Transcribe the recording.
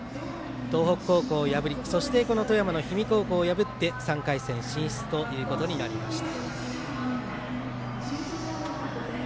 東北高校を破り、そして富山の氷見高校を破って３回戦進出ということになりました。